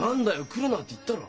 来るなって言ったろ。